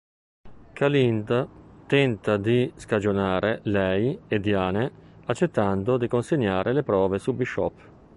Kalinda tenta di scagionare lei e Diane accettando di consegnare le prove su Bishop.